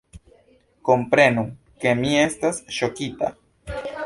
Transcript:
Komprenu, ke mi estas ŝokita!